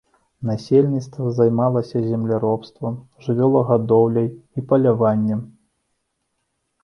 Насельніцтва займалася земляробствам, жывёлагадоўляй і паляваннем.